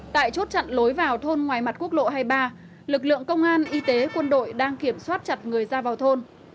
tại chốt chặn lối vào thôn ngoài mặt quốc lộ hai mươi ba lực lượng công an y tế quân đội đang kiểm soát chặt người ra vào thôn